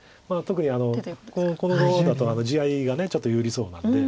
特にこの碁だと地合いがちょっと有利そうなんで。